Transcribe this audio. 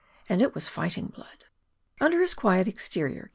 And it was fighting blood. Under his quiet exterior K.